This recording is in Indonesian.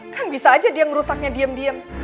kan bisa aja dia merusaknya diem diem